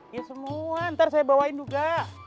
ya semua ntar saya bawain juga